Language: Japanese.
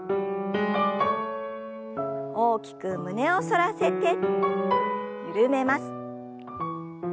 大きく胸を反らせて緩めます。